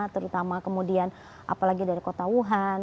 terutama kemudian apalagi dari kota wuhan